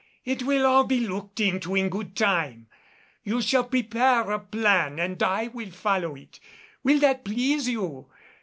It will all be looked to in good time. You shall prepare a plan and I will follow it. Will that please you?"